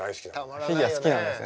フィギュア好きなんですね。